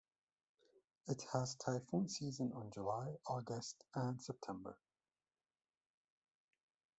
It has typhoon season on July, August and September.